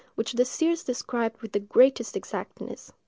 which the seers described with the greatest exactness.